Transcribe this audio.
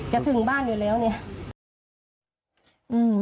ถึงบ้านอยู่แล้วเนี่ย